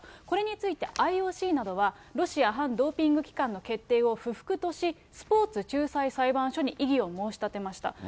これについてＩＯＣなどは、ロシア反ドーピング機関の決定を不服とし、スポーツ仲裁裁判所に異議を申し立てました。